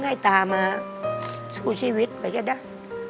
ต้องให้ตามาสู้ชีวิตของเราจะได้